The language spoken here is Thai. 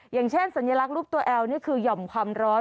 อย่างเช่นสัญลักษณ์รูปตัวแอลนี่คือหย่อมความร้อน